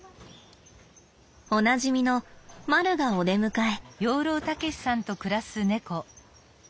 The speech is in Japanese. おなじみのまるがお出迎え。